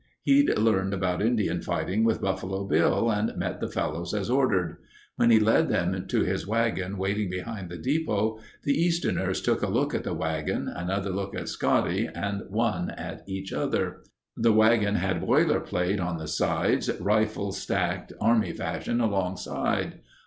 He'd learned about Indian fighting with Buffalo Bill and met the fellows as ordered. When he led them to his wagon waiting behind the depot, the Easterners took a look at the wagon, another look at Scotty and one at each other. The wagon had boiler plate on the sides, rifles stacked army fashion alongside.